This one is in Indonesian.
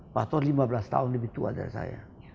pak tor lima belas tahun lebih tua dari saya